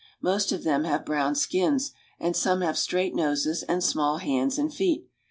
Most of them have brown skins, and some have straight noses and small hands and feet.